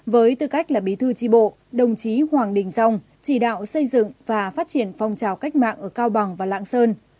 với tư cách là bí thư tri bộ đồng chí hoàng đình dông chỉ đạo xây dựng và phát triển phong trào cách mạng ở cao bằng và lạng sơn